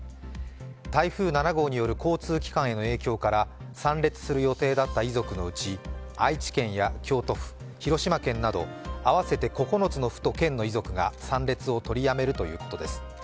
台風７号による交通機関への影響から参列する予定だった遺族のうち愛知県や京都府広島県など、合わせて９つの府と県の遺族が参列を取りやめるということです。